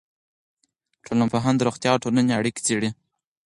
ټولنپوهنه د روغتیا او ټولنې اړیکه څېړي.